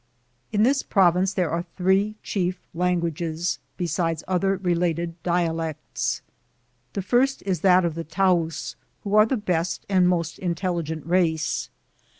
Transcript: In this province there are three chief languages, besides other related dialects. The first is that of the Tahus, who are the best and most intelligent race.